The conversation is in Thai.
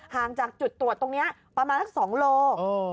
ห่างจากจุดตรวจตรงนี้ประมาณสัก๒โล